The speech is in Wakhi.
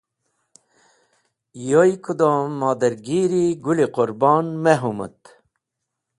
Yoy kudom modargir-e Gũl-e Qũrbon me hũmũt.